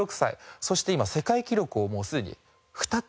そして今世界記録をもうすでに２つ持ってます。